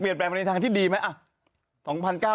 เปลี่ยนแปลงไปในทางที่ดีไหมอ่ะ